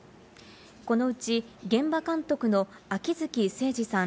このうち現場監督の秋月誠二さん